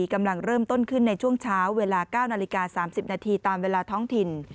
กำลังเริ่มต้นขึ้นในช่วงเช้าเวลา๙นาฬิกา๓๐นาทีตามเวลาท้องถิ่น